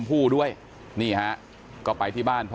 แล้วอันนี้ก็เปิดแล้ว